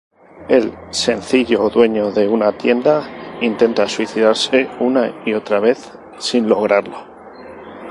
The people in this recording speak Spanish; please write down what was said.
El sencillo dueño de una tienda intenta suicidarse una y otra vez sin lograrlo.